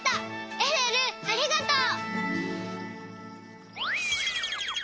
えるえるありがとう。